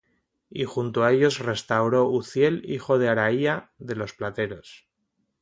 Y junto á ellos restauró Uzziel hijo de Harhaía, de los plateros;